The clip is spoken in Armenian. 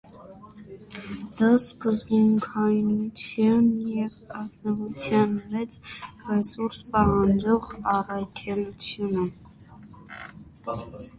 Դա սկզբունքայնության և ազնվության մեծ ռեսուրս պահանջող առաքելություն է: